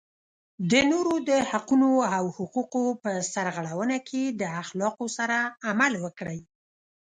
د نورو د حقونو او حقوقو په سرغړونه کې د اخلاقو سره عمل وکړئ.